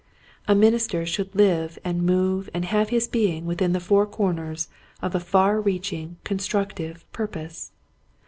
A minister should live and move and have his being within the four corners of a far reaching, constructive purpose.